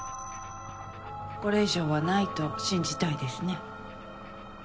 これ以上はないと信じたいですね。